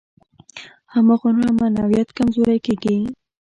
هماغومره معنویت کمزوری کېږي.